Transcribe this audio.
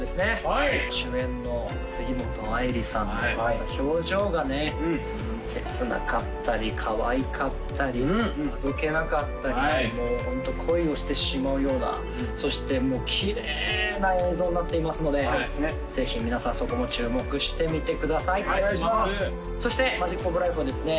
はい主演の杉本愛里さんのまた表情がね切なかったりかわいかったりあどけなかったりもうホント恋をしてしまうようなそしてもうきれいな映像になっていますのでぜひ皆さんそこも注目して見てくださいそしてＭＡＧＩＣＯＦＬｉＦＥはですね